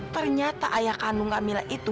ternyata ayah kandung kamila itu